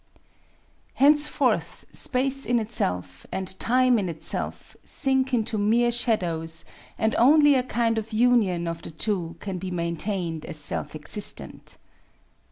Henceforth Space in itself and Time in itself sink into mere shadows and only a kind of union of the two can he maintained as self existent.